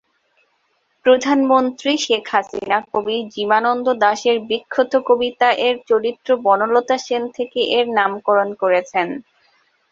প্রধানমন্ত্রী শেখ হাসিনা কবি জীবনানন্দ দাশ এর বিখ্যাত কবিতা এর চরিত্র বনলতা সেন থেকে এর নামকরণ করছেন।